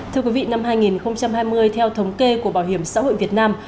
thưa quý vị năm hai nghìn hai mươi theo thống kê của bảo hiểm xã hội việt nam